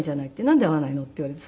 「なんで会わないの？」って言われて。